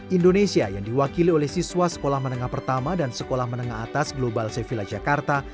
indonesia yang diwakili oleh siswa sekolah menengah pertama dan sekolah menengah atas global sevilla jakarta